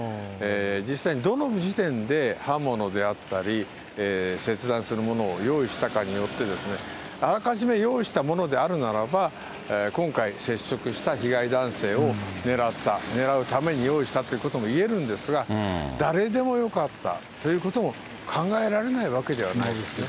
実際にどの時点で刃物であったり、切断するものを用意したかによって、あらかじめ用意したものであるならば、今回接触した被害男性を狙った、狙うために用意したと言えるんですが、誰でもよかったということも考えられないわけではないですね。